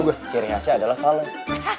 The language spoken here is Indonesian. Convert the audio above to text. gue ciri khasnya adalah fales